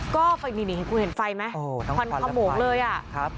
ก็ฟังนี่เห็นไฟไม่ควั้นกระโหมกเลยครับ